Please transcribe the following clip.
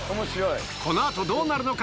この後どうなるのか？